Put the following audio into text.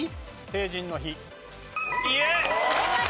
成人の日。